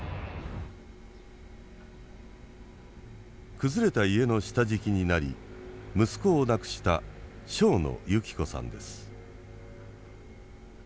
崩れた家の下敷きになり息子を亡くした庄野ゆき子さんです。